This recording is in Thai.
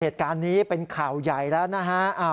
เหตุการณ์นี้เป็นข่าวใหญ่แล้วนะฮะ